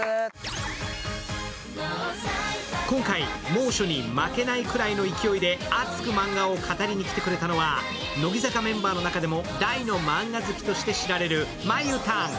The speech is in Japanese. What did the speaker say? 今回、猛暑に負けないくらいの勢いで熱くマンガを語りにきてくれたのは、乃木坂メンバーの中でも大のマンガ好きとして知られる、まゆたん。